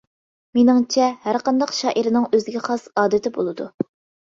مېنىڭچە، ھەرقانداق شائىرنىڭ ئۆزىگە خاس ئادىتى بولىدۇ.